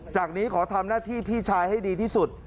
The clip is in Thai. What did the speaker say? นี้ขอทำหน้าที่พี่ชายให้ดีที่สุด